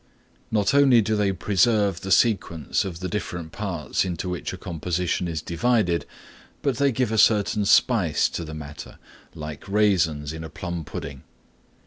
Not only do they preserve the sequence of the different parts into which a composition is divided, but they give a certain spice to the matter like raisins in a plum pudding.